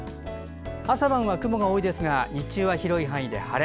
朝晩は雲が多いですが日中は広い範囲で晴れ。